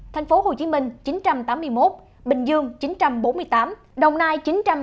thành phố hồ chí minh chín trăm tám mươi một bình dương chín trăm bốn mươi tám đồng nai chín trăm ba mươi chín